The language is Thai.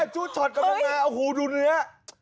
จุ๊ชอดกำลังมาเอาหูดูเนื้อ